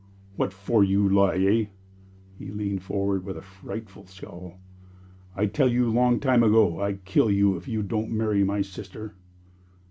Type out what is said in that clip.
"What for you lie, eh?" He leaned forward with a frightful scowl. "I tell you long time ago I kill you if you don' marry my sister."